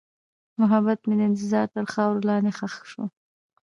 محبت مې د انتظار تر خاورې لاندې ښخ شو.